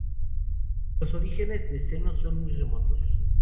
Los orígenes de Seno son muy remotos.